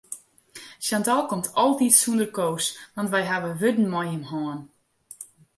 Chantal komt altyd sûnder Koos want wy hawwe wurden mei him hân.